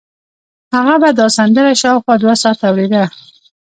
هغه به دا سندره شاوخوا دوه ساعته اورېده